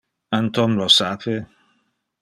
An Tom lo sape?